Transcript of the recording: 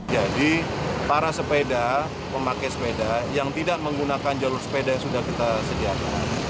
jadi para sepeda pemakai sepeda yang tidak menggunakan jalur sepeda yang sudah kita sediakan